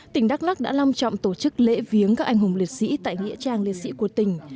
tỉnh đắk lắc đã long trọng tổ chức lễ viếng các anh hùng liệt sĩ tại nghĩa trang liệt sĩ của tỉnh